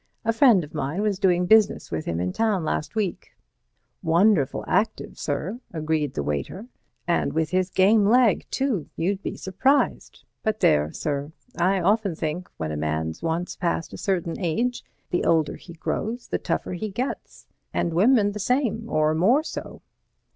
A friend of mine was doing business with him in town last week." "Wonderful active, sir," agreed the waiter, "and with his game leg, too, you'd be surprised. But there, sir, I often think, when a man's once past a certain age, the older he grows the tougher he gets, and women the same or more so."